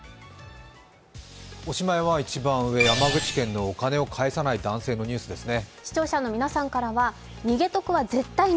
おしまいは一番上山口県のお金を返さない男性のニュースですね。